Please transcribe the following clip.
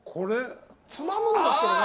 つまむんですかね？